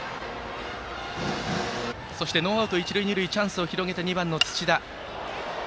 そしてノーアウト、一塁二塁とチャンスを広げて２番、土田。